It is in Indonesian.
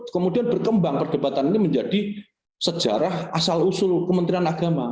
kemudian berkembang perdebatan ini menjadi sejarah asal usul kementerian agama